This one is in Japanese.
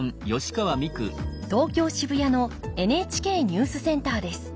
東京・渋谷のＮＨＫニュースセンターです。